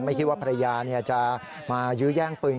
ไม่คิดว่าภรรยาจะมายื้อแย่งปืน